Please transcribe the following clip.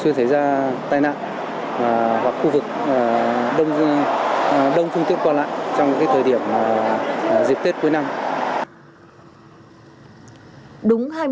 trên địa bàn tỉnh